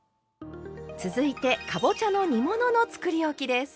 続いてかぼちゃの煮物のつくりおきです。